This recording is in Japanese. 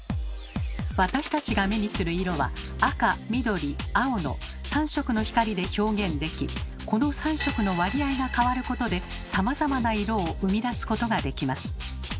私たちが目にする色は赤緑青の３色の光で表現できこの３色の割合が変わることでさまざまな色を生み出すことができます。